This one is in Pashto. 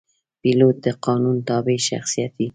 پیلوټ د قانون تابع شخصیت وي.